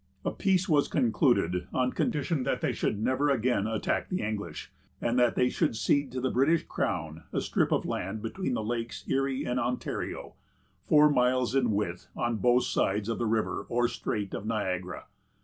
A peace was concluded, on condition that they should never again attack the English, and that they should cede to the British crown a strip of land, between the Lakes Erie and Ontario, four miles in width, on both sides of the River, or Strait, of Niagara.